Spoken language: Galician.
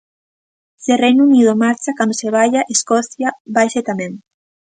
"Se o Reino Unido marcha, cando se vaia, Escocia vaise tamén".